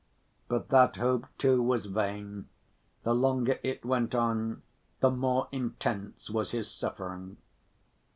But that hope, too, was vain; the longer it went on, the more intense was his suffering.